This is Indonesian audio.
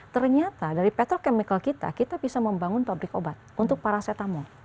ternyata dari petrochemical kita kita bisa membangun pabrik obat untuk paracetamol